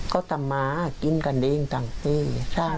เขาทำมากินกันเองตั้งแต่